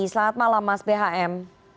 selamat malam mas bhm